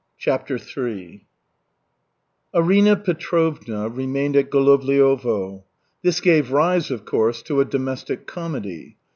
CHAPTER III Arina Petrovna remained at Golovliovo. This gave rise, of course, to a domestic comedy.